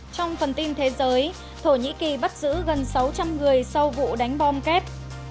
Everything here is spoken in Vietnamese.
trong phần tin thế giới thổ nhĩ kỳ bắt giữ gần sáu trăm linh người sau vụ đánh bom kép